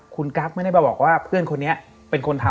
คุณกั๊กไม่ได้มาบอกว่าเพื่อนคนนี้เป็นคนทำ